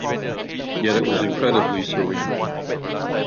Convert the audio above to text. Yet it was incredibly serene.